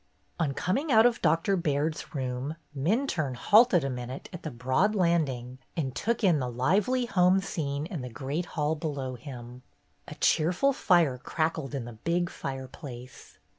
" On coming out of Doctor Baird's room, Minturne halted a minute at the broad land ing and took in the lively home scene in the great hall below him. A cheerful fire crackled in the big fireplace.